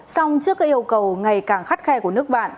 song trước các yêu cầu ngày càng khắt khe của nước bạn